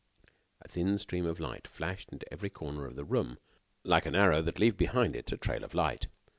A thin stream of light flashed to every corner of the room, like an arrow that leaves behind it a trail of light.